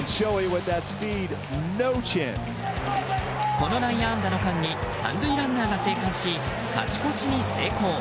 この内野安打の間に３塁ランナーが生還し勝ち越しに成功。